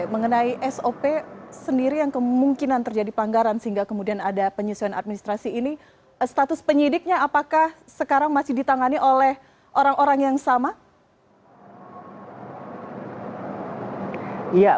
mengenai sop sendiri yang kemungkinan terjadi pelanggaran sehingga kemudian ada penyesuaian administrasi ini status penyidiknya apakah sekarang masih ditangani oleh orang orang yang sama